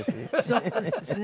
そうですね。